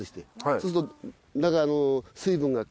そうすると。